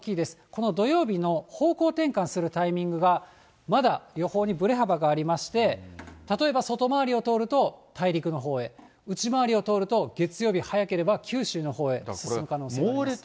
この土曜日の方向転換するタイミングが、まだ予報にぶれ幅がありまして、例えば外回りを通ると、大陸の方へ、内回りを通ると、月曜日、早ければ九州のほうへ進む可能性があります。